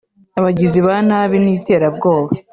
abagizi ba nabi n’iterabwoba